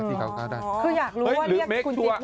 คืออยากรู้ว่าคุณจิ๊บว่าอะไร